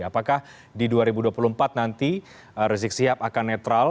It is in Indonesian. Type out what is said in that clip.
apakah di dua ribu dua puluh empat nanti rizik sihab akan netral